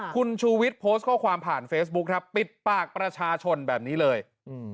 คุณชูวิทย์โพสต์ข้อความผ่านเฟซบุ๊คครับปิดปากประชาชนแบบนี้เลยอืม